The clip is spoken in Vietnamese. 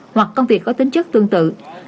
hoặc công việc có tính chất tương tự